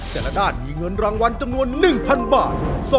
แต่ละด้านมีเงินรางวัลจำนวน๑๐๐บาท